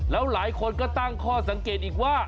แล้วหลายคนก็ตั้งข้อสังเกตอีกว่า